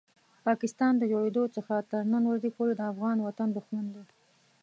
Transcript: پاکستان د جوړېدو څخه تر نن ورځې پورې د افغان وطن دښمن دی.